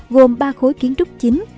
gồm ba khối kiến trúc chính